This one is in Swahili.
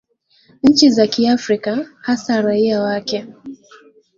nchi za kiafrika haswa raia wakee